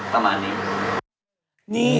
ประมาณนี้